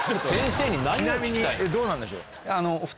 ちなみにどうなんでしょう？